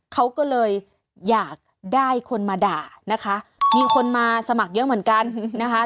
เขาก็เลยอยากได้คนมาด่านะคะมีคนมาสมัครเยอะเหมือนกันนะคะ